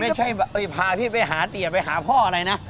พาพี่ไปหาเตี๋ยไปหาพ่ออะไรนะ